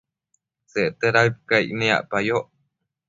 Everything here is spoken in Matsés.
Secte daëd caic niacpayoc